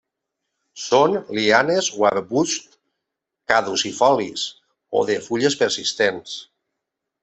Són lianes o arbusts caducifolis o de fulles persistents.